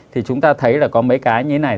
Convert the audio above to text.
thì chúng ta thấy là có mấy cái như thế này